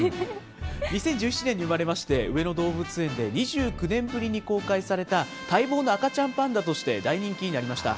２０１７年に生まれまして、上野動物園で２９年ぶりに公開された待望の赤ちゃんパンダとして、大人気になりました。